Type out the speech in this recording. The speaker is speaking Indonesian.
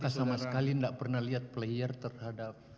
kita sama sekali tidak pernah lihat player terhadap